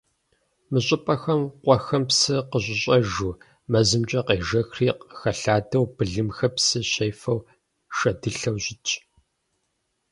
Мы щӀыпӀэхэм, къуэхэм псы къыщыщӀэжу, мэзымкӀэ къежэхри къыхэлъадэу, былымхэр псы щефэу шэдылъэу щытщ.